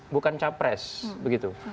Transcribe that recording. bukan capres begitu